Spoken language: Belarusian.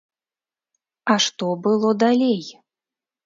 А што было далей?